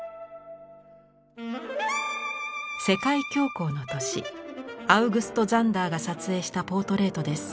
世界恐慌の年アウグスト・ザンダーが撮影したポートレートです。